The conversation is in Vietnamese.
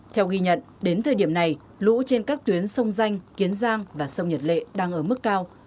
theo ghi nhận đến thời điểm này lũ trên các tuyến sông danh kiến giang và sông nhật lệ đang ở mức cao